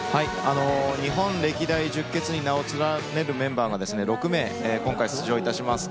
日本歴代十傑に名を連ねるメンバーが今回６名、出場します。